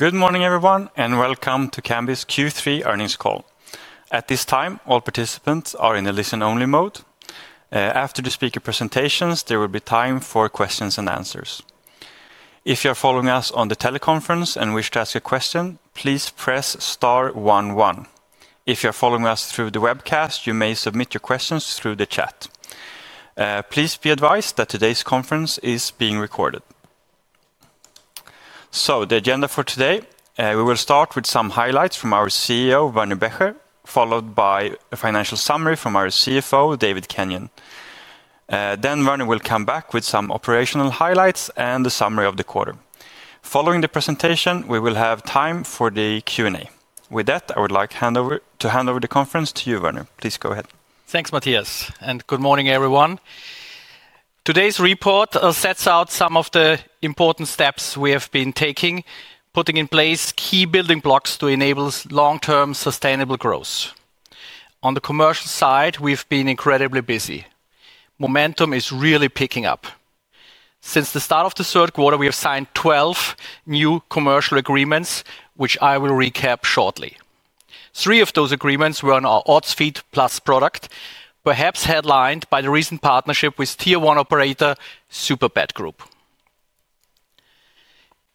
Good morning, everyone, and welcome to Kambi's Q3 earnings call. At this time, all participants are in the listen-only mode. After the speaker presentations, there will be time for questions and answers. If you're following us on the teleconference and wish to ask a question, please press star 11. If you're following us through the webcast, you may submit your questions through the chat. Please be advised that today's conference is being recorded. The agenda for today: we will start with some highlights from our CEO, Werner Becher, followed by a financial summary from our CFO, David Kenyon. Then Werner will come back with some operational highlights and the summary of the quarter. Following the presentation, we will have time for the Q&A. With that, I would like to hand over the conference to you, Werner. Please go ahead. Thanks, Mattias, and good morning, everyone. Today's report sets out some of the important steps we have been taking, putting in place key building blocks to enable long-term sustainable growth. On the commercial side, we've been incredibly busy. Momentum is really picking up. Since the start of the third quarter, we have signed 12 new commercial agreements, which I will recap shortly. Three of those agreements were on our Odds Feed Plus product, perhaps headlined by the recent partnership with tier one operator Superbet Group.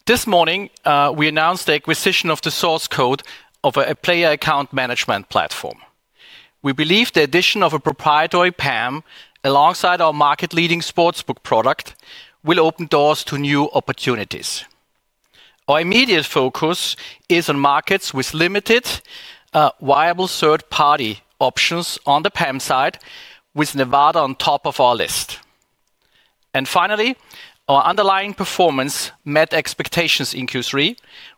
This morning, we announced the acquisition of the source code of a player account management platform. We believe the addition of a proprietary PAM alongside our market-leading sportsbook product will open doors to new opportunities. Our immediate focus is on markets with limited viable third-party options on the PAM side, with Nevada on top of our list. Finally, ou underlying performance met expectations in Q3,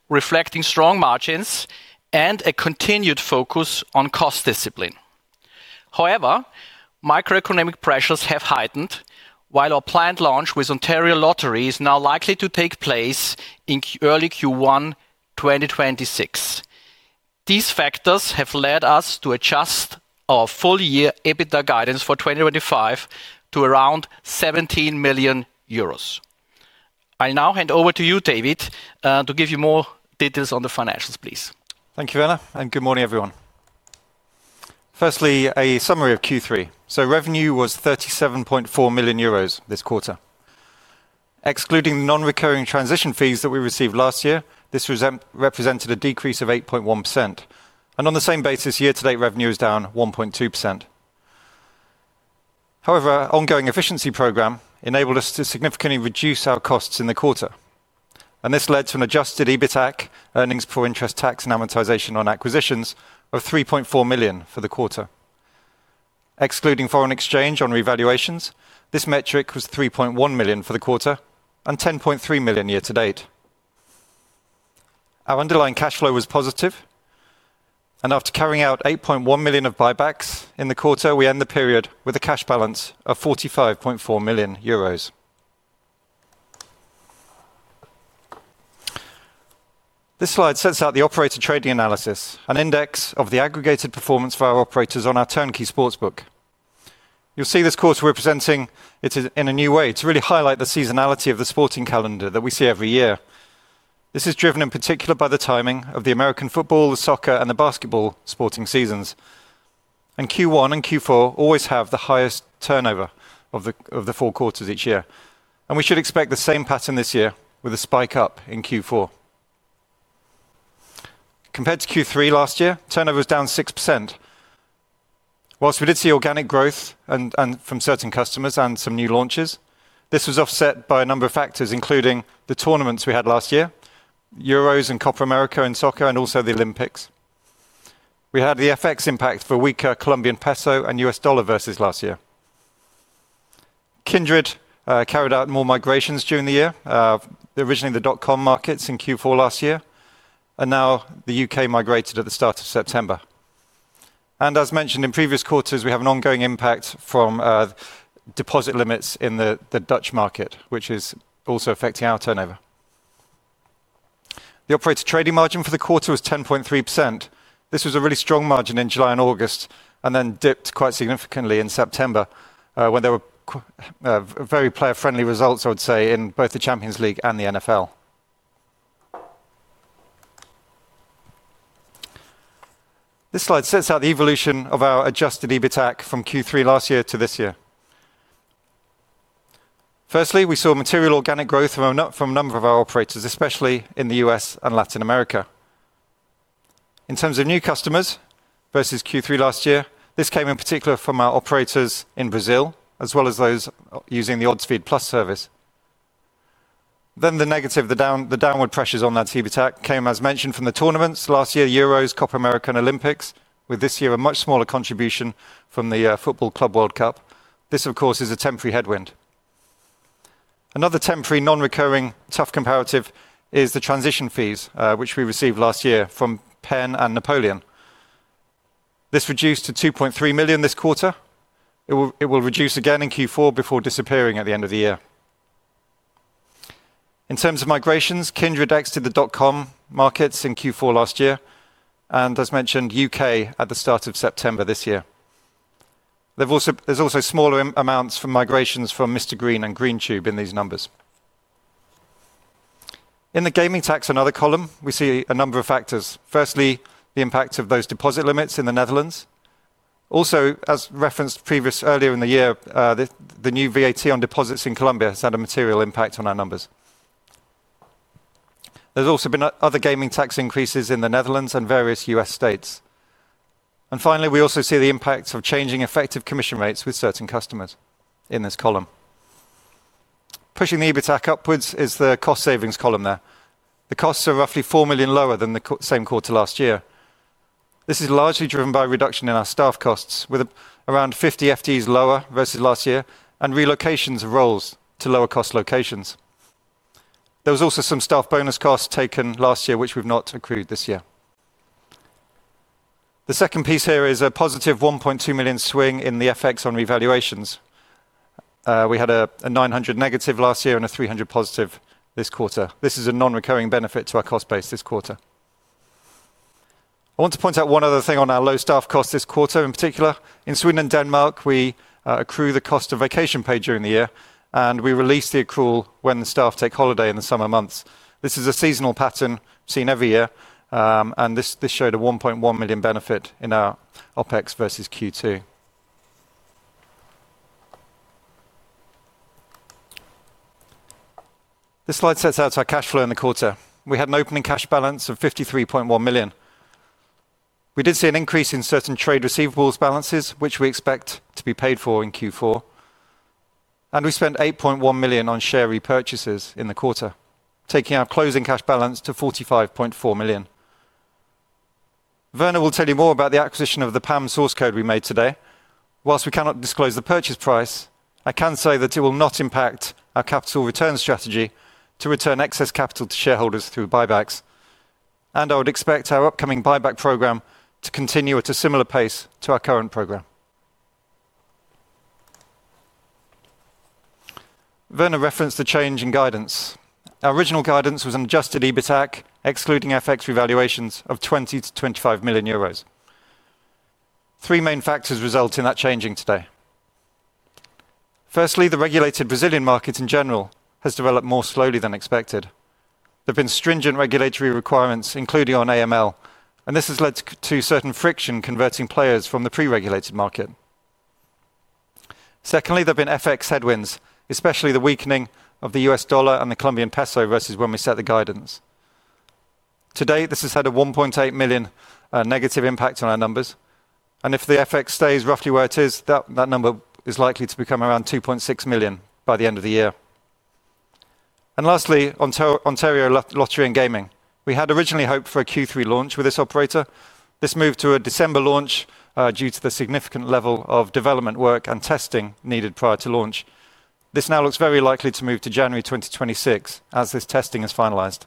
reflecting strong margins and a continued focus on cost discipline. However, macroeconomic pressures have heightened, while our planned launch with Ontario Lottery is now likely to take place in early Q1 2026. These factors have led us to adjust our full-year EBITDA guidance for 2025 to around 17 million euros. I'll now hand over to you, David, to give you more details on the financials, please. Thank you, Werner, and good morning, everyone. Firstly, a summary of Q3. Revenue was 37.4 million euros this quarter. Excluding the non-recurring transition fees that we received last year, this represented a decrease of 8.1%. On the same basis, year-to-date revenue is down 1.2%. However, our ongoing efficiency program enabled us to significantly reduce our costs in the quarter. This led to an adjusted EBITAC, earnings before interest, tax, and amortization on acquisitions, of 3.4 million for the quarter. Excluding foreign exchange on revaluations, this metric was 3.1 million for the quarter and 10.3 million year-to-date. Our underlying cash flow was positive. After carrying out 8.1 million of buybacks in the quarter, we end the period with a cash balance of 45.4 million euros. This slide sets out the operator trading analysis, an index of the aggregated performance for our operators on our turnkey sportsbook. You'll see this quarter representing it in a new way to really highlight the seasonality of the sporting calendar that we see every year. This is driven in particular by the timing of the American football, the soccer, and the basketball sporting seasons. Q1 and Q4 always have the highest turnover of the four quarters each year. We should expect the same pattern this year with a spike up in Q4. Compared to Q3 last year, turnover was down 6%. Whilst we did see organic growth from certain customers and some new launches, this was offset by a number of factors, including the tournaments we had last year: Euros and Copa America in soccer, and also the Olympics. We had the FX impact for weaker Colombian peso and US dollar versus last year. Kindred carried out more migrations during the year, originally the dot-com markets in Q4 last year, and now the U.K. migrated at the start of September. As mentioned in previous quarters, we have an ongoing impact from deposit limits in the Dutch market, which is also affecting our turnover. The operator trading margin for the quarter was 10.3%. This was a really strong margin in July and August, and then dipped quite significantly in September when there were very player-friendly results, I would say, in both the Champions League and the NFL. This slide sets out the evolution of our adjusted EBITDA from Q3 last year to this year. Firstly, we saw material organic growth from a number of our operators, especially in the U.S. and Latin America. In terms of new customers versus Q3 last year, this came in particular from our operators in Brazil, as well as those using the Odds Feed Plus service. The negative, the downward pressures on that EBITDA came as mentioned from the tournaments last year: Euros, Copa America, and Olympics, with this year a much smaller contribution from the Football Club World Cup. This, of course, is a temporary headwind. Another temporary non-recurring tough comparative is the transition fees, which we received last year from Penn and Napoleon. This reduced to 2.3 million this quarter. It will reduce again in Q4 before disappearing at the end of the year. In terms of migrations, Kindred exited the dot-com markets in Q4 last year, and as mentioned, U.K. at the start of September this year. There are also smaller amounts for migrations from Mr Green and Novomatic (Green Tube) in these numbers. In the gaming tax and other column, we see a number of factors. Firstly, the impact of those deposit limits in the Netherlands. Also, as referenced earlier in the year, the new VAT on deposits in Colombia has had a material impact on our numbers. There have also been other gaming tax increases in the Netherlands and various US states. Finally, we also see the impact of changing effective commission rates with certain customers in this column. Pushing the EBITDA upwards is the cost savings column there. The costs are roughly 4 million lower than the same quarter last year. This is largely driven by a reduction in our staff costs, with around 50 FTEs lower versus last year, and relocations of roles to lower-cost locations. There were also some staff bonus costs taken last year, which we have not accrued this year. The second piece here is a positive 1.2 million swing in the FX on revaluations. We had a 900,000 negative last year and a 300,000 positive this quarter. This is a non-recurring benefit to our cost base this quarter. I want to point out one other thing on our low staff costs this quarter in particular. In Sweden and Denmark, we accrue the cost of vacation paid during the year, and we release the accrual when the staff take holiday in the summer months. This is a seasonal pattern seen every year, and this showed a 1.1 million benefit in our OPEX versus Q2. This slide sets out our cash flow in the quarter. We had an opening cash balance of 53.1 million. We did see an increase in certain trade receivables balances, which we expect to be paid for in Q4. We spent 8.1 million on share repurchases in the quarter, taking our closing cash balance to 45.4 million. Werner will tell you more about the acquisition of the PAM source code we made today. Whilst we cannot disclose the purchase price, I can say that it will not impact our capital return strategy to return excess capital to shareholders through buybacks. I would expect our upcoming buyback program to continue at a similar pace to our current program. Werner referenced the change in guidance. Our original guidance was an adjusted EBITDA excluding FX revaluations of 20-25 million euros. Three main factors result in that changing today. Firstly, the regulated Brazilian market in general has developed more slowly than expected. There have been stringent regulatory requirements, including on AML, and this has led to certain friction converting players from the pre-regulated market. Secondly, there have been FX headwinds, especially the weakening of the US dollar and the Colombian peso versus when we set the guidance. Today, this has had a 1.8 million negative impact on our numbers. If the FX stays roughly where it is, that number is likely to become around 2.6 million by the end of the year. Lastly, Ontario Lottery and Gaming. We had originally hoped for a Q3 launch with this operator. This moved to a December launch due to the significant level of development work and testing needed prior to launch. This now looks very likely to move to January 2026 as this testing is finalized.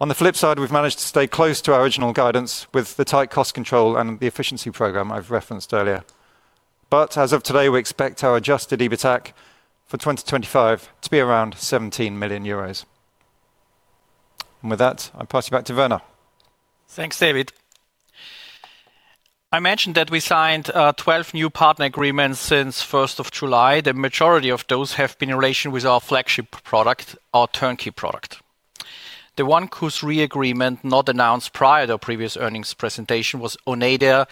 On the flip side, we've managed to stay close to our original guidance with the tight cost control and the efficiency program I've referenced earlier. As of today, we expect our adjusted EBITDA for 2025 to be around 17 million euros. With that, I'll pass you back to Werner. Thanks, David. I mentioned that we signed 12 new partner agreements since 1 July. The majority of those have been in relation with our flagship product, our turnkey product. The one whose re-agreement not announced prior to previous earnings presentation was Oneida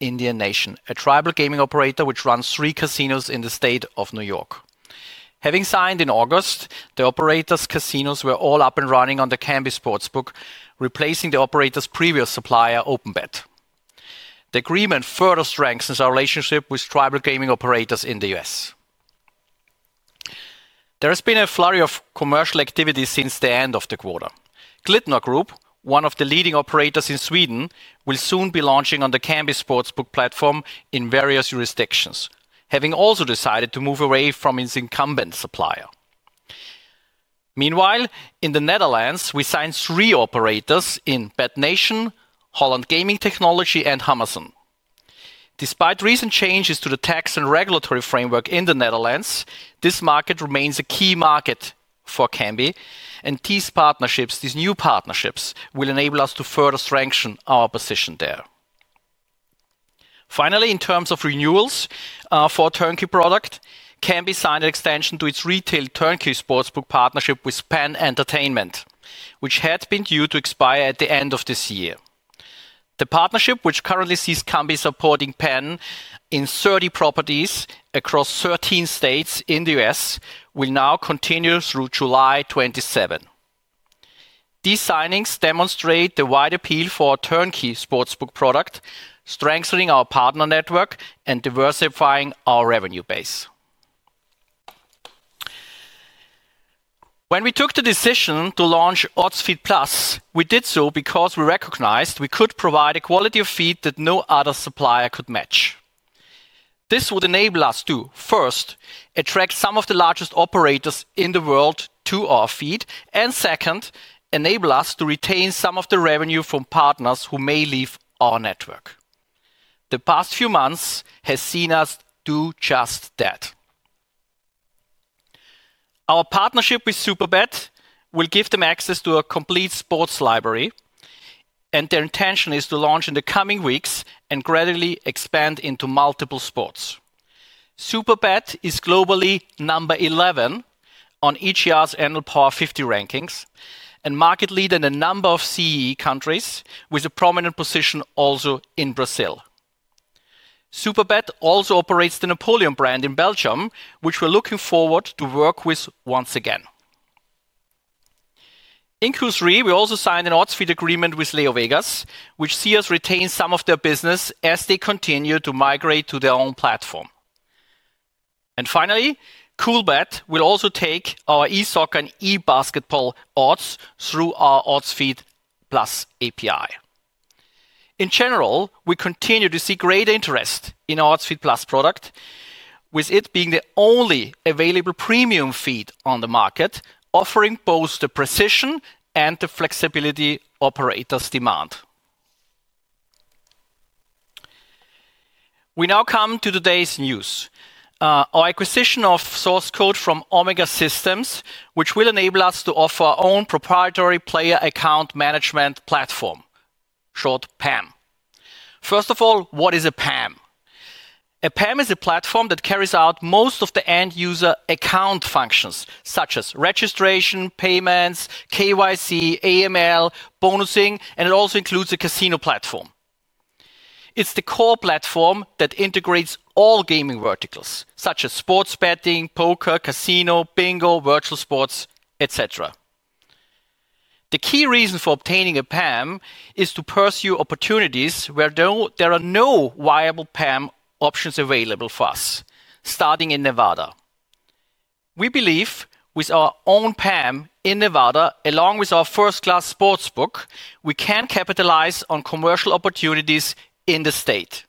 Indian Nation, a tribal gaming operator which runs three casinos in the state of New York. Having signed in August, the operator's casinos were all up and running on the Kambi Sportsbook, replacing the operator's previous supplier, OpenBet. The agreement further strengthens our relationship with tribal gaming operators in the US. There has been a flurry of commercial activity since the end of the quarter. Klettner Group, one of the leading operators in Sweden, will soon be launching on the Kambi Sportsbook platform in various jurisdictions, having also decided to move away from its incumbent supplier. Meanwhile, in the Netherlands, we signed three operators in Bet Nation, Holland Gaming Technology, and Hammersen. Despite recent changes to the tax and regulatory framework in the Netherlands, this market remains a key market for Kambi, and these partnerships, these new partnerships, will enable us to further strengthen our position there. Finally, in terms of renewals for our turnkey product, Kambi signed an extension to its retail turnkey sportsbook partnership with Penn Entertainment, which had been due to expire at the end of this year. The partnership, which currently sees Kambi supporting Penn in 30 properties across 13 states in the US, will now continue through July 2027. These signings demonstrate the wide appeal for our turnkey sportsbook product, strengthening our partner network and diversifying our revenue base. When we took the decision to launch Odds Feed Plus, we did so because we recognized we could provide a quality of feed that no other supplier could match. This would enable us to, first, attract some of the largest operators in the world to our feed, and second, enable us to retain some of the revenue from partners who may leave our network. The past few months have seen us do just that. Our partnership with Superbet will give them access to a complete sports library, and their intention is to launch in the coming weeks and gradually expand into multiple sports. Superbet is globally number 11 on HER's Annual Power 50 rankings and market leader in a number of CEE countries, with a prominent position also in Brazil. Superbet also operates the Napoleon brand in Belgium, which we're looking forward to work with once again. In Q3, we also signed an odds feed agreement with LeoVegas, which sees us retain some of their business as they continue to migrate to their own platform. Finally, Coolbet will also take our e-soccer and e-basketball odds through our Odds Feed Plus API. In general, we continue to see great interest in our Odds Feed Plus product, with it being the only available premium feed on the market, offering both the precision and the flexibility operators demand. We now come to today's news. Our acquisition of source code from Omega Systems, which will enable us to offer our own proprietary player account management platform. Short PAM. First of all, what is a PAM? A PAM is a platform that carries out most of the end-user account functions, such as registration, payments, KYC, AML, bonusing, and it also includes a casino platform. It's the core platform that integrates all gaming verticals, such as sports betting, poker, casino, bingo, virtual sports, et cetera. The key reason for obtaining a PAM is to pursue opportunities where there are no viable PAM options available for us, starting in Nevada. We believe with our own PAM in Nevada, along with our first-class sportsbook, we can capitalize on commercial opportunities in the state.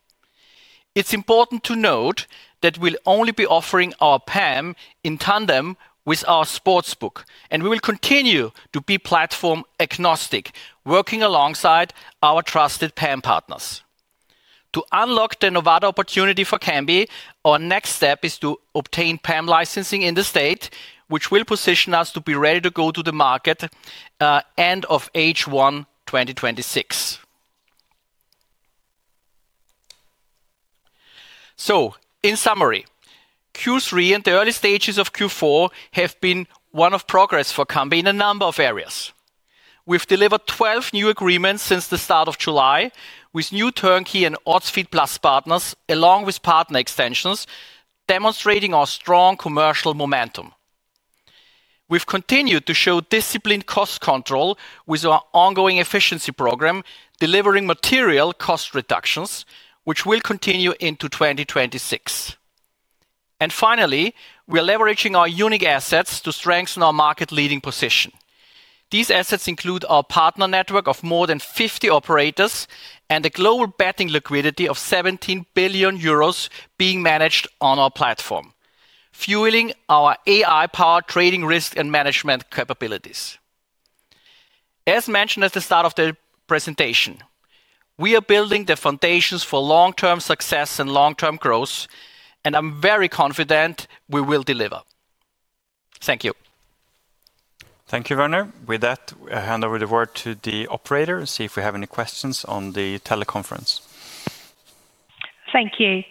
It's important to note that we'll only be offering our PAM in tandem with our sportsbook, and we will continue to be platform-agnostic, working alongside our trusted PAM partners. To unlock the Nevada opportunity for Kambi, our next step is to obtain PAM licensing in the state, which will position us to be ready to go to the market. End of H1 2026. In summary, Q3 and the early stages of Q4 have been one of progress for Kambi in a number of areas. We've delivered 12 new agreements since the start of July, with new turnkey and Odds Feed Plus partners, along with partner extensions, demonstrating our strong commercial momentum. We've continued to show disciplined cost control with our ongoing efficiency program, delivering material cost reductions, which will continue into 2026. Finally, we are leveraging our unique assets to strengthen our market-leading position. These assets include our partner network of more than 50 operators and a global betting liquidity of 17 billion euros being managed on our platform, fueling our AI-powered trading risk and management capabilities. As mentioned at the start of the presentation, we are building the foundations for long-term success and long-term growth, and I'm very confident we will deliver. Thank you. Thank you, Werner. With that, I hand over the word to the operator and see if we have any questions on the teleconference. Thank you.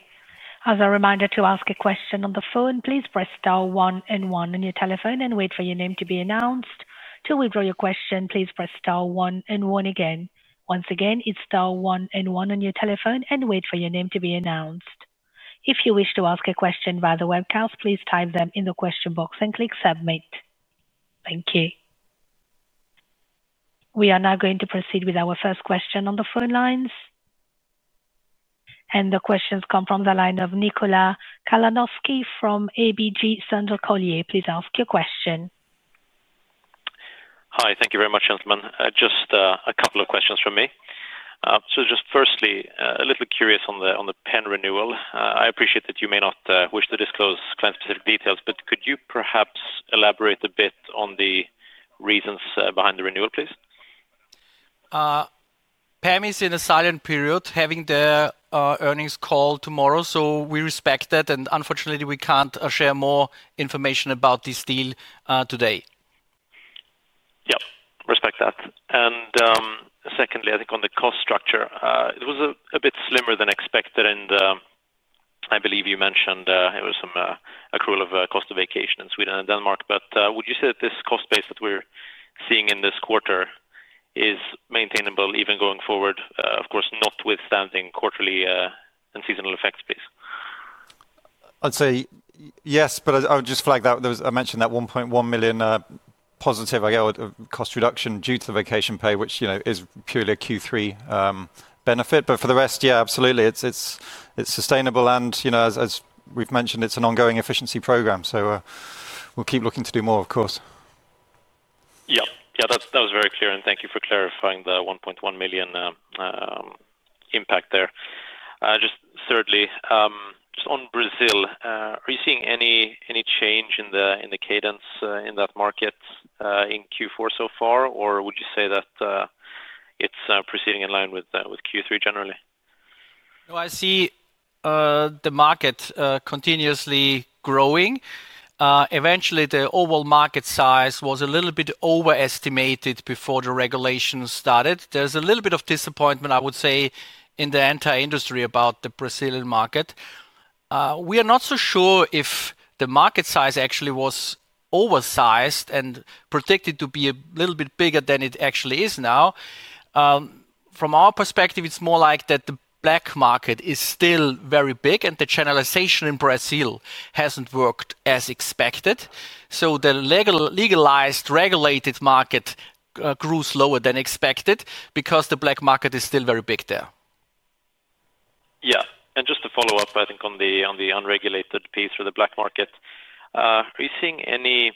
As a reminder to ask a question on the phone, please press star one and one on your telephone and wait for your name to be announced. To withdraw your question, please press star one and one again. Once again, it's star one and one on your telephone and wait for your name to be announced. If you wish to ask a question via the webcast, please type them in the question box and click submit. Thank you. We are now going to proceed with our first question on the phone lines. The questions come from the line of Nikola Kalanovski from ABG Sundal Collier. Please ask your question. Hi, thank you very much, gentlemen. Just a couple of questions from me. Just firstly, a little curious on the PAM renewal. I appreciate that you may not wish to disclose client-specific details, but could you perhaps elaborate a bit on the reasons behind the renewal, please? PAM is in a silent period, having the earnings call tomorrow, so we respect that, and unfortunately, we can't share more information about this deal today. Yep, respect that. Secondly, I think on the cost structure, it was a bit slimmer than expected, and I believe you mentioned there was some accrual of cost of vacation in Sweden and Denmark. Would you say that this cost base that we're seeing in this quarter is maintainable even going forward, of course, notwithstanding quarterly and seasonal effects, please? I'd say yes, but I would just flag that I mentioned that 1.1 million positive, I guess, cost reduction due to the vacation pay, which is purely a Q3 benefit. For the rest, yeah, absolutely, it's sustainable, and as we've mentioned, it's an ongoing efficiency program, so we'll keep looking to do more, of course. Yep, yeah, that was very clear, and thank you for clarifying the 1.1 million impact there. Just thirdly, just on Brazil, are you seeing any change in the cadence in that market in Q4 so far, or would you say that it's proceeding in line with Q3 generally? No, I see. The market continuously growing. Eventually, the overall market size was a little bit overestimated before the regulation started. There's a little bit of disappointment, I would say, in the entire industry about the Brazilian market. We are not so sure if the market size actually was oversized and predicted to be a little bit bigger than it actually is now. From our perspective, it's more like that the black market is still very big, and the channelization in Brazil hasn't worked as expected. The legalized regulated market grew slower than expected because the black market is still very big there. Yeah, and just to follow up, I think on the unregulated piece for the black market. Are you seeing any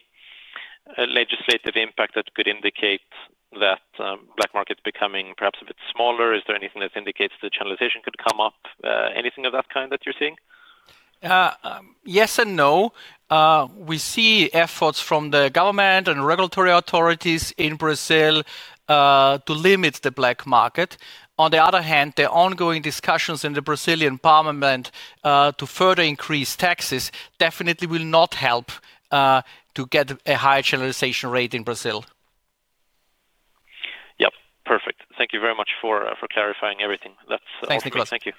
legislative impact that could indicate that black market becoming perhaps a bit smaller? Is there anything that indicates the channelization could come up? Anything of that kind that you're seeing? Yes and no. We see efforts from the government and regulatory authorities in Brazil to limit the black market. On the other hand, the ongoing discussions in the Brazilian parliament to further increase taxes definitely will not help to get a higher channelization rate in Brazil. Yep, perfect. Thank you very much for clarifying everything. That's all for us. Thank you.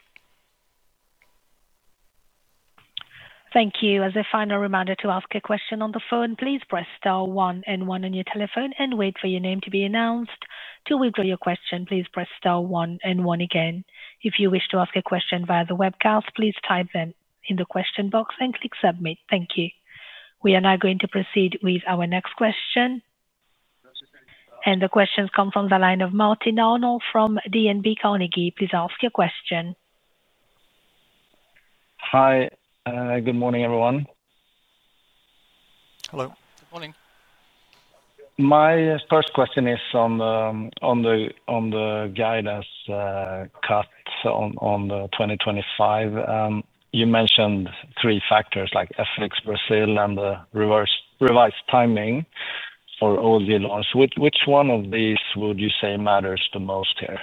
Thank you. As a final reminder to ask a question on the phone, please press star one and one on your telephone and wait for your name to be announced. To withdraw your question, please press star one and one again. If you wish to ask a question via the webcast, please type them in the question box and click submit. Thank you. We are now going to proceed with our next question. The questions come from the line of Martin Arnold from DNB Carnegie. Please ask your question. Hi, good morning, everyone. Hello. Good morning. My first question is on the guidance cut on the 2025. You mentioned three factors like FX, Brazil, and the revised timing for OLG. Which one of these would you say matters the most here?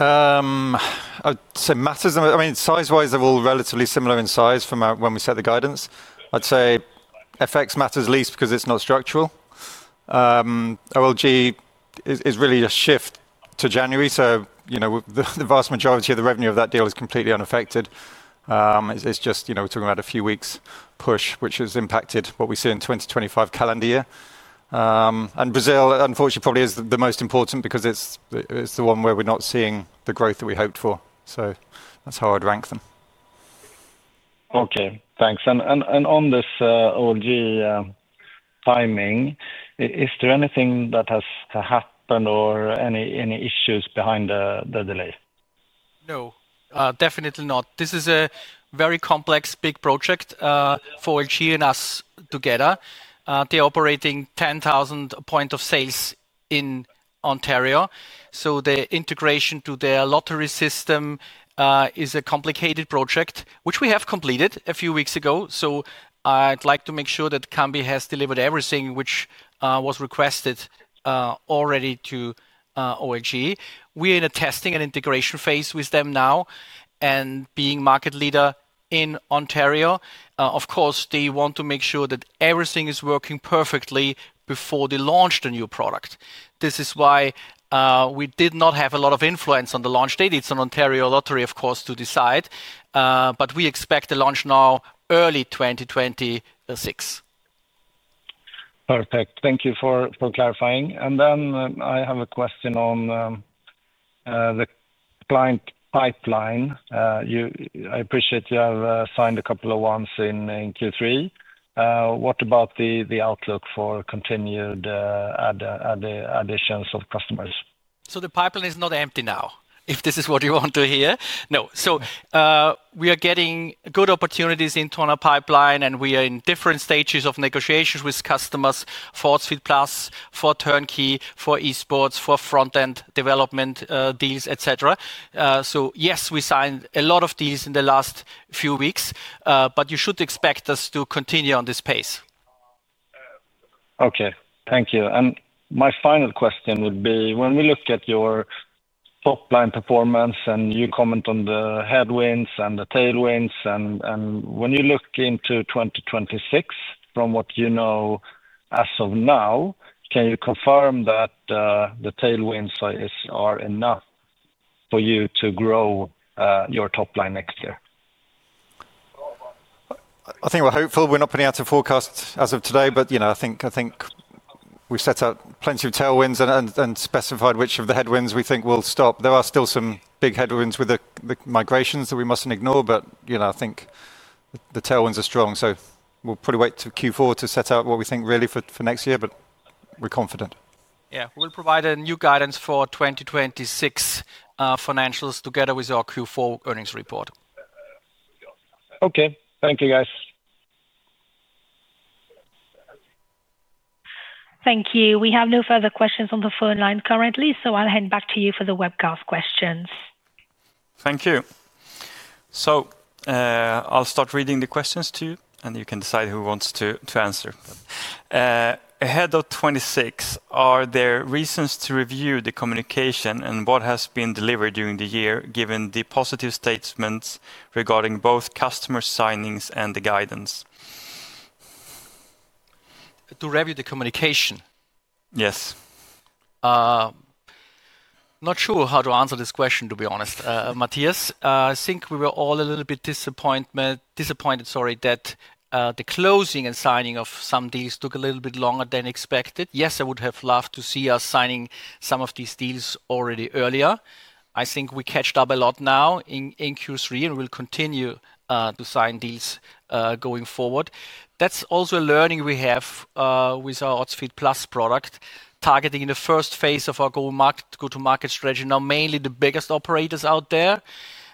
I'd say matters, I mean, size-wise, they're all relatively similar in size from when we set the guidance. I'd say FX matters least because it's not structural. OLG is really a shift to January, so the vast majority of the revenue of that deal is completely unaffected. It's just, we're talking about a few weeks' push, which has impacted what we see in the 2025 calendar year. Brazil, unfortunately, probably is the most important because it's the one where we're not seeing the growth that we hoped for. That's how I'd rank them. Okay, thanks. On this OLG timing, is there anything that has happened or any issues behind the delay? No, definitely not. This is a very complex, big project for OLG and us together. They are operating 10,000 points of sales in Ontario, so the integration to their lottery system is a complicated project, which we have completed a few weeks ago. I would like to make sure that Kambi has delivered everything which was requested already to OLG. We are in a testing and integration phase with them now and being market leader in Ontario, of course, they want to make sure that everything is working perfectly before they launch the new product. This is why we did not have a lot of influence on the launch date. It is an Ontario lottery, of course, to decide, but we expect the launch now, early 2026. Perfect. Thank you for clarifying. I have a question on the client pipeline. I appreciate you have signed a couple of ones in Q3. What about the outlook for continued additions of customers? The pipeline is not empty now, if this is what you want to hear. No. We are getting good opportunities into our pipeline, and we are in different stages of negotiations with customers for Odds Feed Plus, for turnkey, for e-sports, for front-end development deals, et cetera. Yes, we signed a lot of deals in the last few weeks, but you should expect us to continue on this pace. Okay, thank you. My final question would be, when we look at your top-line performance and you comment on the headwinds and the tailwinds, when you look into 2026, from what you know as of now, can you confirm that the tailwinds are enough for you to grow your top-line next year? I think we're hopeful. We're not putting out a forecast as of today, but I think we set out plenty of tailwinds and specified which of the headwinds we think will stop. There are still some big headwinds with the migrations that we mustn't ignore, but I think the tailwinds are strong, so we'll probably wait to Q4 to set out what we think really for next year, but we're confident. Yeah, we'll provide a new guidance for 2026 financials together with our Q4 earnings report. Okay, thank you, guys. Thank you. We have no further questions on the phone line currently, so I'll hand back to you for the webcast questions. Thank you. I'll start reading the questions to you, and you can decide who wants to answer. Ahead of 2026, are there reasons to review the communication and what has been delivered during the year, given the positive statements regarding both customer signings and the guidance? To review the communication. Yes. Not sure how to answer this question, to be honest, Mattias. I think we were all a little bit disappointed, sorry, that the closing and signing of some deals took a little bit longer than expected. Yes, I would have loved to see us signing some of these deals already earlier. I think we caught up a lot now in Q3 and will continue to sign deals going forward. That is also a learning we have with our Odds Feed Plus product, targeting in the first phase of our go-to-market strategy, now mainly the biggest operators out there,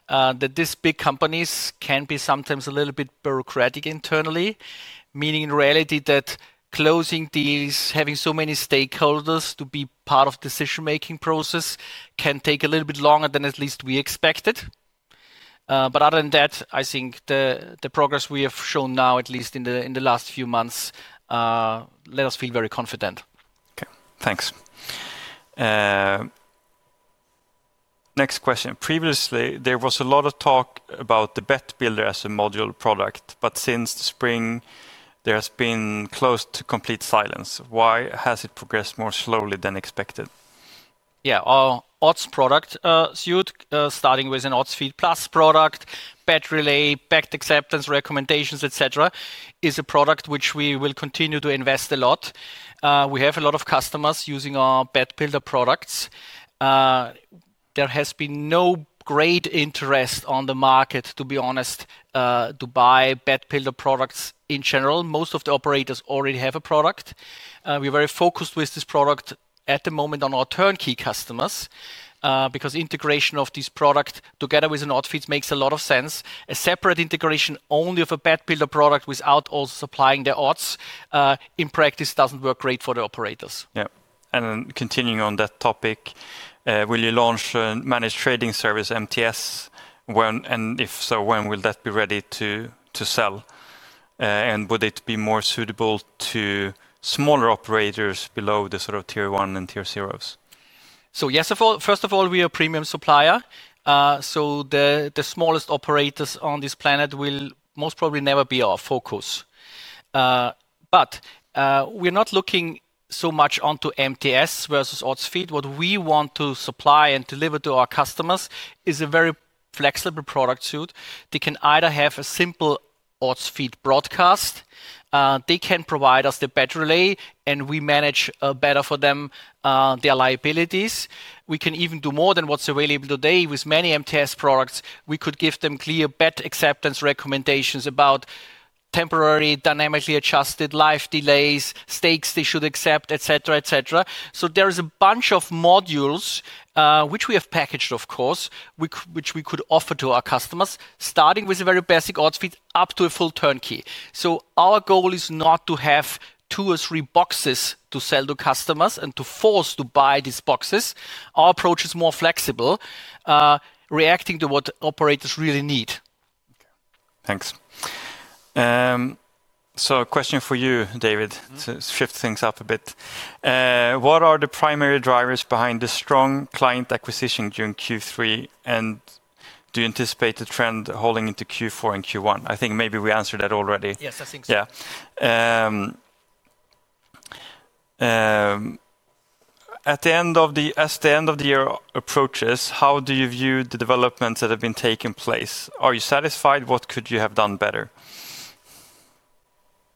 that these big companies can be sometimes a little bit bureaucratic internally, meaning in reality that closing deals, having so many stakeholders to be part of the decision-making process can take a little bit longer than at least we expected. Other than that, I think the progress we have shown now, at least in the last few months, let us feel very confident. Okay, thanks. Next question. Previously, there was a lot of talk about the BetBuilder as a module product, but since the spring, there has been close to complete silence. Why has it progressed more slowly than expected? Yeah, our Odds product suite, starting with an Odds Feed Plus product, BetRelay, backed acceptance recommendations, et cetera, is a product which we will continue to invest a lot. We have a lot of customers using our BetBuilder products. There has been no great interest on the market, to be honest, to buy BetBuilder products in general. Most of the operators already have a product. We're very focused with this product at the moment on our turnkey customers because integration of this product together with an Odds Feed makes a lot of sense. A separate integration only of a BetBuilder product without also supplying the odds, in practice, it doesn't work great for the operators. Yeah. Continuing on that topic, will you launch a managed trading service, MTS? If so, when will that be ready to sell? Would it be more suitable to smaller operators below the sort of tier one and tier zeros? Yes, first of all, we are a premium supplier, so the smallest operators on this planet will most probably never be our focus. We are not looking so much onto MTS versus Odds Feed. What we want to supply and deliver to our customers is a very flexible product suite. They can either have a simple Odds Feed broadcast. They can provide us the BetRelay, and we manage better for them their liabilities. We can even do more than what is available today. With many MTS products, we could give them clear bet acceptance recommendations about temporary, dynamically adjusted live delays, stakes they should accept, et cetera, et cetera. There is a bunch of modules, which we have packaged, of course, which we could offer to our customers, starting with a very basic Odds Feed up to a full turnkey. Our goal is not to have two or three boxes to sell to customers and to force to buy these boxes. Our approach is more flexible. Reacting to what operators really need. Thanks. A question for you, David, to shift things up a bit. What are the primary drivers behind the strong client acquisition during Q3? Do you anticipate the trend holding into Q4 and Q1? I think maybe we answered that already. Yes, I think so. Yeah. As the end of the year approaches, how do you view the developments that have been taking place? Are you satisfied? What could you have done better?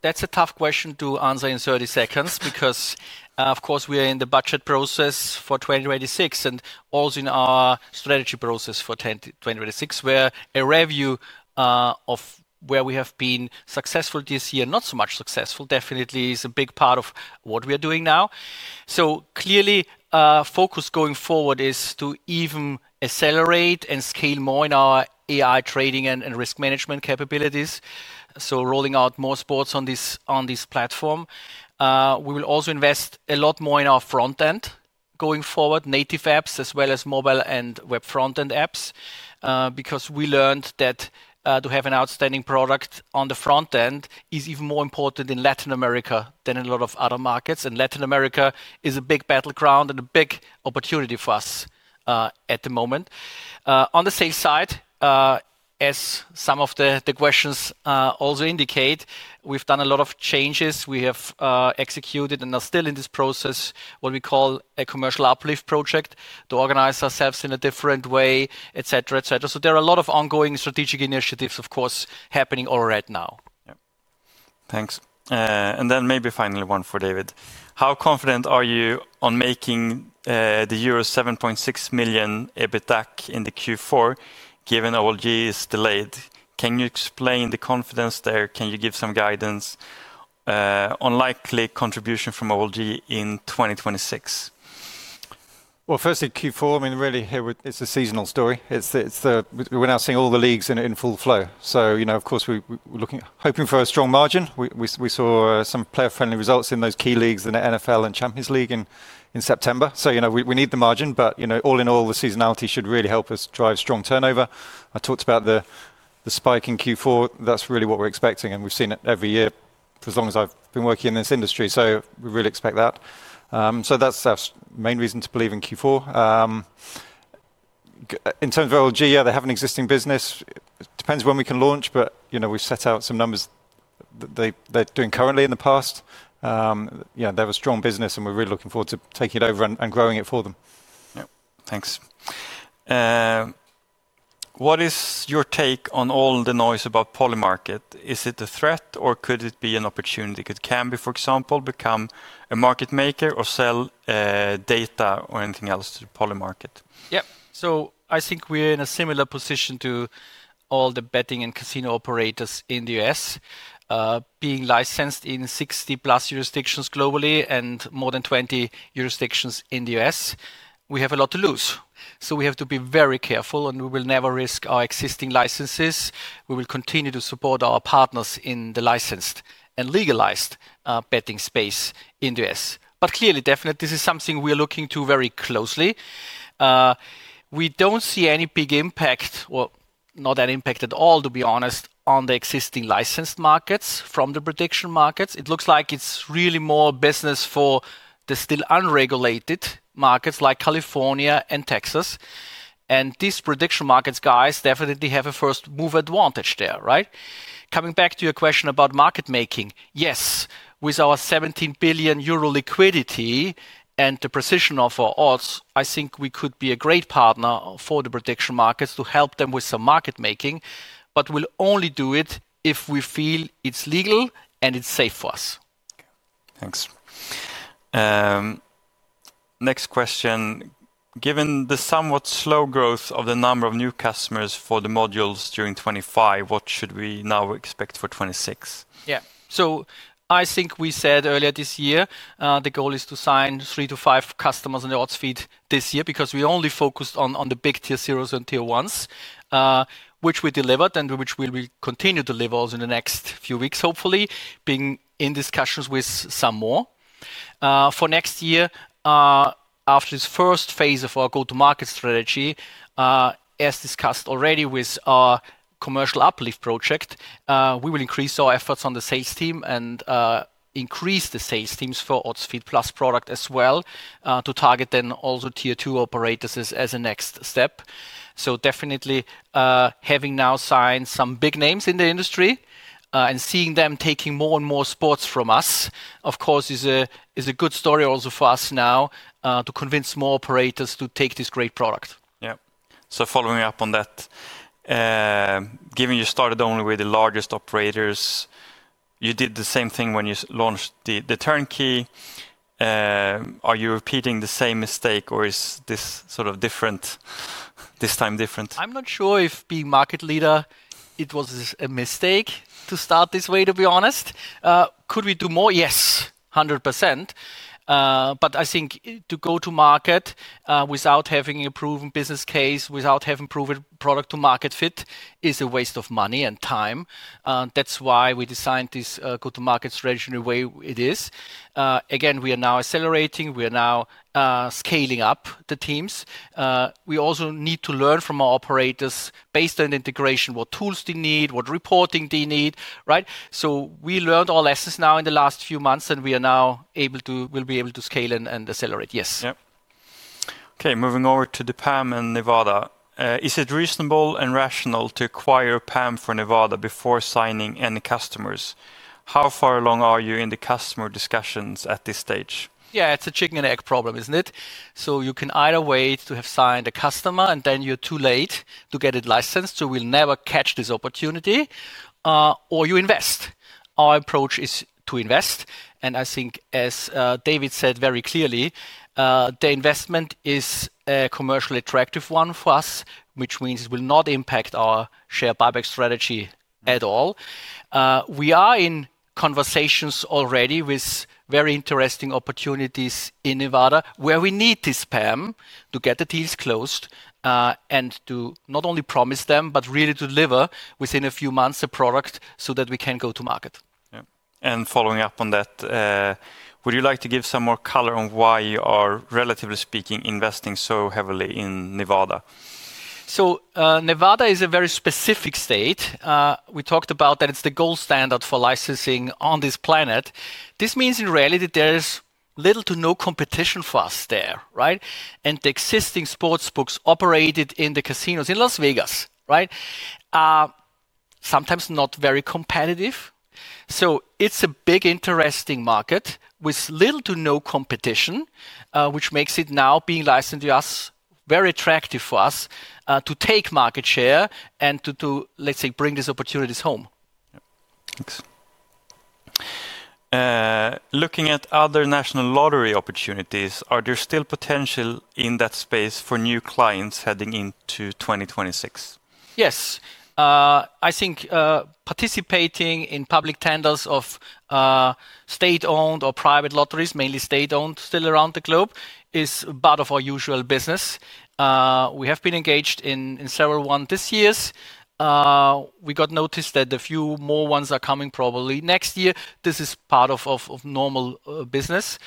That's a tough question to answer in 30 seconds because, of course, we are in the budget process for 2026 and also in our strategy process for 2026, where a review of where we have been successful this year, not so much successful, definitely is a big part of what we are doing now. Clearly, focus going forward is to even accelerate and scale more in our AI trading and risk management capabilities. Rolling out more sports on this platform. We will also invest a lot more in our front-end going forward, native apps as well as mobile and web front-end apps, because we learned that to have an outstanding product on the front-end is even more important in Latin America than in a lot of other markets. Latin America is a big battleground and a big opportunity for us at the moment. On the safe side, as some of the questions also indicate, we've done a lot of changes. We have executed and are still in this process what we call a commercial uplift project to organize ourselves in a different way, et cetera, et cetera. There are a lot of ongoing strategic initiatives, of course, happening already now. Thanks. And then maybe finally one for David. How confident are you on making the euro 7.6 million EBITDA in Q4, given OLG is delayed? Can you explain the confidence there? Can you give some guidance? Unlikely contribution from OLG in 2026. Firstly, Q4, I mean, really, it is a seasonal story. We are now seeing all the leagues in full flow. Of course, we are hoping for a strong margin. We saw some player-friendly results in those key leagues, the NFL and Champions League in September. We need the margin, but all in all, the seasonality should really help us drive strong turnover. I talked about the spike in Q4. That is really what we are expecting, and we have seen it every year for as long as I have been working in this industry, so we really expect that. That is our main reason to believe in Q4. In terms of OLG, yeah, they have an existing business. It depends when we can launch, but we've set out some numbers that they're doing currently in the past. They have a strong business, and we're really looking forward to taking it over and growing it for them. Thanks. What is your take on all the noise about Polymarket? Is it a threat, or could it be an opportunity? Could Kambi, for example, become a market maker or sell data or anything else to the Polymarket? Yeah, so I think we're in a similar position to all the betting and casino operators in the US. Being licensed in 60-plus jurisdictions globally and more than 20 jurisdictions in the US, we have a lot to lose. We have to be very careful, and we will never risk our existing licenses. We will continue to support our partners in the licensed and legalized betting space in the US. Clearly, definitely, this is something we are looking to very closely. We don't see any big impact, or not any impact at all, to be honest, on the existing licensed markets from the prediction markets. It looks like it's really more business for the still unregulated markets like California and Texas. These prediction markets, guys, definitely have a first-mover advantage there, right? Coming back to your question about market making, yes, with our 17 billion euro liquidity and the precision of our odds, I think we could be a great partner for the prediction markets to help them with some market making, but we'll only do it if we feel it's legal and it's safe for us. Thanks. Next question. Given the somewhat slow growth of the number of new customers for the modules during 2025, what should we now expect for 2026? Yeah, so I think we said earlier this year the goal is to sign three to five customers on the Odds Feed this year because we only focused on the big tier zeros and tier ones. Which we delivered and which we will continue to deliver also in the next few weeks, hopefully, being in discussions with some more. For next year, after this first phase of our go-to-market strategy, as discussed already with our commercial uplift project, we will increase our efforts on the sales team and increase the sales teams for Odds Feed Plus product as well to target then also tier two operators as a next step. Definitely. Having now signed some big names in the industry and seeing them taking more and more sports from us, of course, is a good story also for us now to convince more operators to take this great product. Yeah. So following up on that. Given you started only with the largest operators, you did the same thing when you launched the turnkey. Are you repeating the same mistake, or is this sort of different? This time different? I'm not sure if being market leader, it was a mistake to start this way, to be honest. Could we do more? Yes, 100%. I think to go to market without having a proven business case, without having proven product-to-market fit, is a waste of money and time. That's why we designed this go-to-market strategy in the way it is. Again, we are now accelerating. We are now scaling up the teams. We also need to learn from our operators based on integration, what tools they need, what reporting they need, right? We learned our lessons now in the last few months, and we are now able to, will be able to scale and accelerate. Yes. Okay, moving over to the PAM and Nevada. Is it reasonable and rational to acquire PAM for Nevada before signing any customers? How far along are you in the customer discussions at this stage? Yeah, it's a chicken and egg problem, isn't it? You can either wait to have signed a customer, and then you're too late to get it licensed, so we'll never catch this opportunity, or you invest. Our approach is to invest. I think, as David said very clearly, the investment is a commercially attractive one for us, which means it will not impact our share buyback strategy at all. We are in conversations already with very interesting opportunities in Nevada where we need this PAM to get the deals closed and to not only promise them, but really to deliver within a few months a product so that we can go to market. Would you like to give some more color on why you are, relatively speaking, investing so heavily in Nevada? Nevada is a very specific state. We talked about that it's the gold standard for licensing on this planet. This means in reality there's little to no competition for us there, right? The existing sports books operated in the casinos in Las Vegas, right? Sometimes not very competitive. It is a big interesting market with little to no competition, which makes it now being licensed to us very attractive for us to take market share and to, let's say, bring these opportunities home. Looking at other national lottery opportunities, are there still potential in that space for new clients heading into 2026? Yes. I think participating in public tenders of state-owned or private lotteries, mainly state-owned still around the globe, is part of our usual business. We have been engaged in several ones this year. We got notice that a few more ones are coming probably next year. This is part of normal business.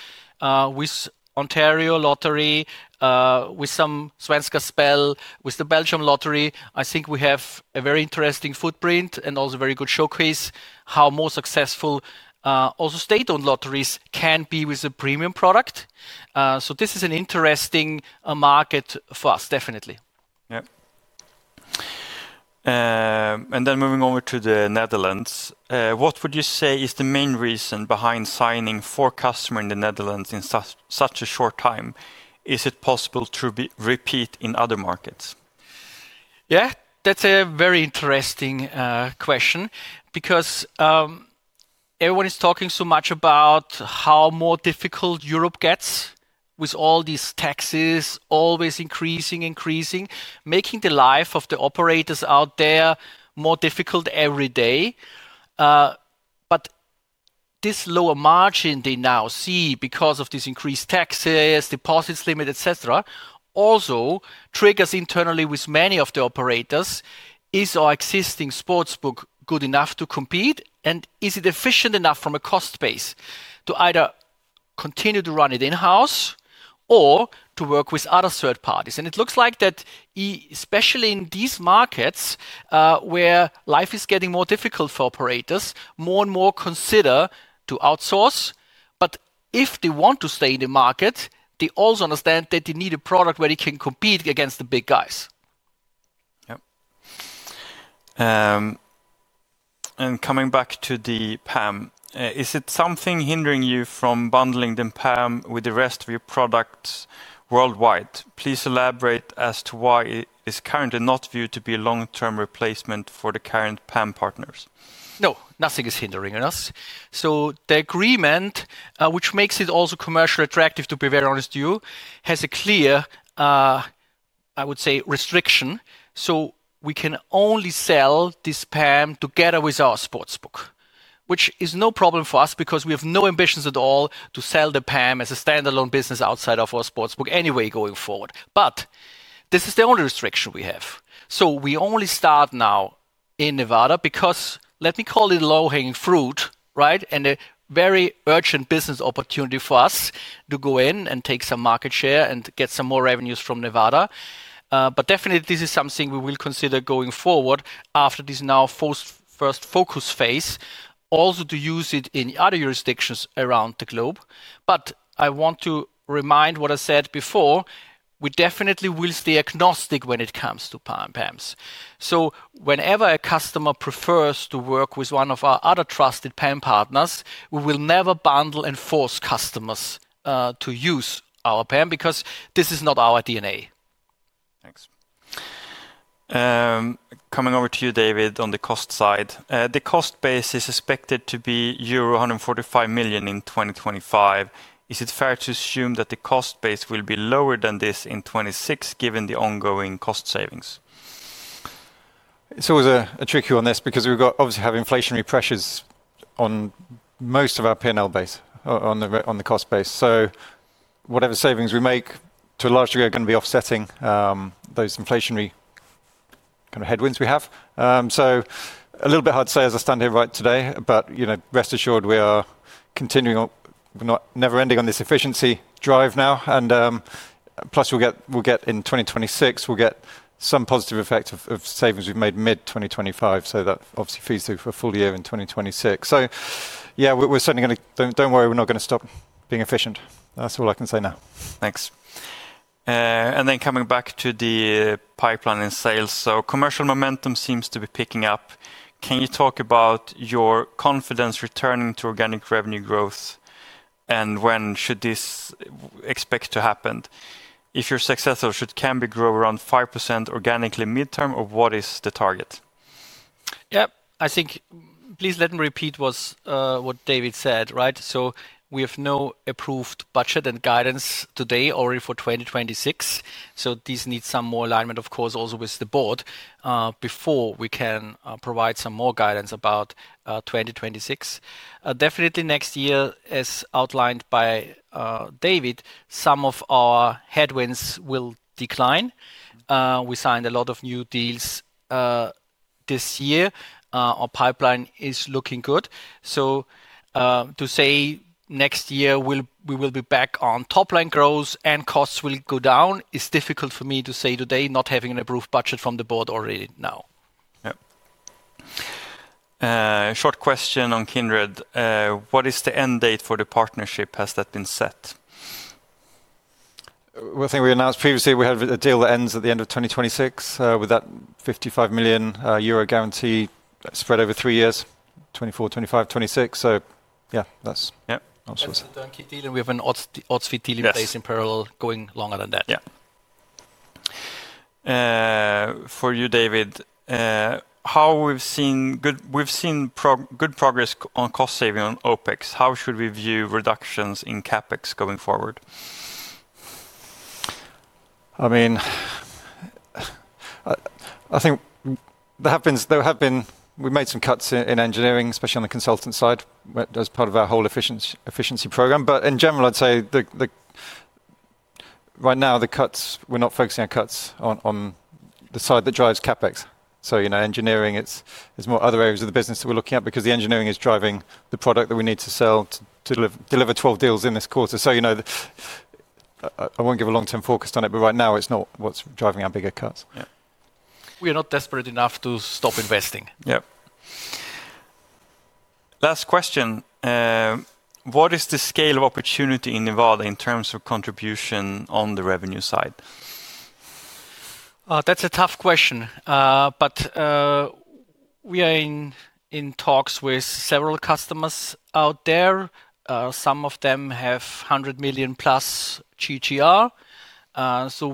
With Ontario Lottery, with some Svenska Spel, with the Belgium Lottery, I think we have a very interesting footprint and also a very good showcase how more successful also state-owned lotteries can be with a premium product. This is an interesting market for us, definitely. Moving over to the Netherlands, what would you say is the main reason behind signing four customers in the Netherlands in such a short time? Is it possible to repeat in other markets? Yeah, that's a very interesting question because everyone is talking so much about how more difficult Europe gets with all these taxes always increasing, increasing, making the life of the operators out there more difficult every day. This lower margin they now see because of these increased taxes, deposit limits, et cetera, also triggers internally with many of the operators. Is our existing sportsbook good enough to compete? And is it efficient enough from a cost base to either continue to run it in-house or to work with other third parties? It looks like that, especially in these markets where life is getting more difficult for operators, more and more consider to outsource. If they want to stay in the market, they also understand that they need a product where they can compete against the big guys. Coming back to the PAM, is it something hindering you from bundling the PAM with the rest of your products worldwide? Please elaborate as to why it is currently not viewed to be a long-term replacement for the current PAM partners. No, nothing is hindering us. The agreement, which makes it also commercially attractive to be very honest to you, has a clear, I would say, restriction. We can only sell this PAM together with our sportsbook, which is no problem for us because we have no ambitions at all to sell the PAM as a standalone business outside of our sportsbook anyway going forward. This is the only restriction we have. We only start now in Nevada because, let me call it low-hanging fruit, right? A very urgent business opportunity for us to go in and take some market share and get some more revenues from Nevada. Definitely, this is something we will consider going forward after this now first focus phase, also to use it in other jurisdictions around the globe. I want to remind what I said before, we definitely will stay agnostic when it comes to PAMs. Whenever a customer prefers to work with one of our other trusted PAM partners, we will never bundle and force customers to use our PAM because this is not our DNA. Thanks. Coming over to you, David, on the cost side. The cost base is expected to be euro 145 million in 2025. Is it fair to assume that the cost base will be lower than this in 2026, given the ongoing cost savings? It was a tricky one on this because we obviously have inflationary pressures on most of our P&L base, on the cost base. Whatever savings we make, to a large degree, are going to be offsetting those inflationary kind of headwinds we have. A little bit hard to say as I stand here right today, but rest assured we are continuing, never ending on this efficiency drive now. Plus we'll get in 2026, we'll get some positive effect of savings we've made mid-2025. That obviously feeds through for a full year in 2026. Yeah, we're certainly going to, don't worry, we're not going to stop being efficient. That's all I can say now. Thanks. Coming back to the pipeline and sales, commercial momentum seems to be picking up. Can you talk about your confidence returning to organic revenue growth? When should this be expected to happen? If you are successful, should Kambi grow around 5% organically midterm, or what is the target? Yeah, I think please let me repeat what David said, right? We have no approved budget and guidance today already for 2026. These need some more alignment, of course, also with the board before we can provide some more guidance about 2026. Definitely next year, as outlined by David, some of our headwinds will decline. We signed a lot of new deals this year. Our pipeline is looking good. To say next year we will be back on top-line growth and costs will go down is difficult for me to say today, not having an approved budget from the board already now. Short question on Kindred. What is the end date for the partnership? Has that been set? I think we announced previously we had a deal that ends at the end of 2026 with that 55 million euro guarantee spread over three years, 2024, 2025, 2026. Yeah, that's obviously. Don't keep dealing with an Odds Feed deal in place in parallel going longer than that. For you, David. How we've seen good progress on cost saving on OPEX, how should we view reductions in CAPEX going forward? I mean. I think there have been, we made some cuts in engineering, especially on the consultant side as part of our whole efficiency program. In general, I'd say. Right now the cuts, we're not focusing on cuts on the side that drives CapEx. Engineering, there's more other areas of the business that we're looking at because the engineering is driving the product that we need to sell to deliver 12 deals in this quarter. I won't give a long-term focus on it, but right now it's not what's driving our bigger cuts. We are not desperate enough to stop investing. Last question. What is the scale of opportunity in Nevada in terms of contribution on the revenue side? That's a tough question, but we are in talks with several customers out there. Some of them have $100 million plus GGR.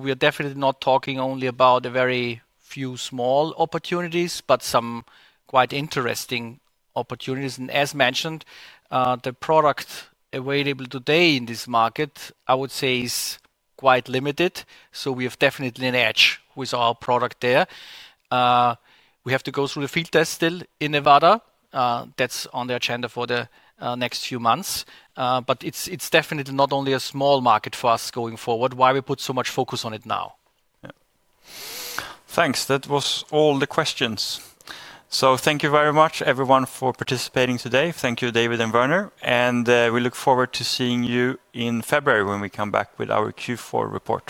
We are definitely not talking only about a very few small opportunities, but some quite interesting opportunities. As mentioned, the product available today in this market, I would say, is quite limited. We have definitely an edge with our product there. We have to go through the field test still in Nevada. That is on the agenda for the next few months. It is definitely not only a small market for us going forward, which is why we put so much focus on it now. Thanks. That was all the questions. Thank you very much, everyone, for participating today. Thank you, David and Werner. We look forward to seeing you in February when we come back with our Q4 report.